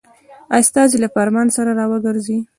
استازی له فرمان سره را وګرځېدی.